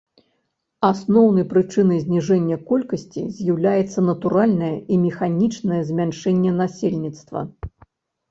Асноўнай прычынай зніжэння колькасці з'яўляецца натуральнае і механічнае змяншэнне насельніцтва.